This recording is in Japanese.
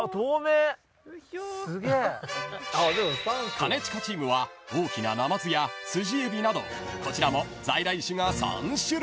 ［兼近チームは大きなナマズやスジエビなどこちらも在来種が３種類］